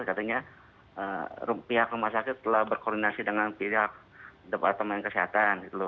katanya pihak rumah sakit telah berkoordinasi dengan pihak departemen kesehatan gitu loh